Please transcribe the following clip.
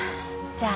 じゃあ。